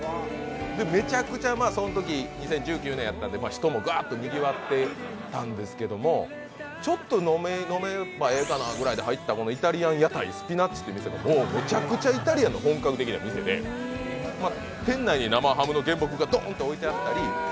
めちゃくちゃそのとき、２０１９年やったんで、人もぐわっとにぎわってたんですけど、ちょっと飲めばいいかなと思って入ったスピナッチって店がめちゃくちゃイタリアンの本格的な店で店内に生ハムの原木がどんと置いてあったり。